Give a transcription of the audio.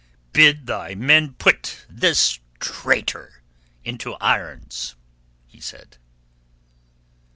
"Bid thy men put me this traitor into irons," he said.